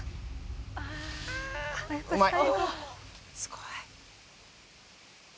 うまい。